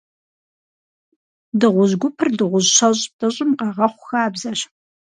Дыгъужь гупыр дыгъужь щэщӏ-плӏыщӏым къагъэхъу хабзэщ.